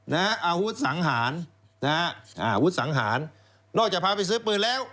อาวุธสังหารนะฮะอ่าวุธสังหารนอกจากพาไปซื้อปืนแล้ว